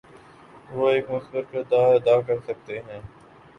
وہ ایک مثبت کردار ادا کرسکتے ہیں۔